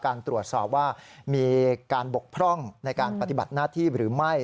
การตรวจสอบว่ามีการบกพร่องในการปฏิบัติหน้าที่หรือไม่